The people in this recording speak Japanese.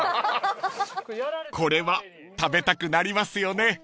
［これは食べたくなりますよね］